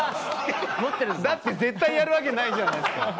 だって絶対やるわけないじゃないですか。